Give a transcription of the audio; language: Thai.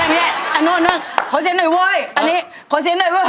ไม่แค่อันนั้นขอเสียงหน่อยโว้ย